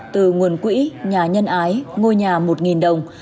từ nguồn quỹ nhà nhân ái ngôi nhà một đồng